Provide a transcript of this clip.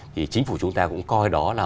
thì chính phủ chúng ta cũng coi đó là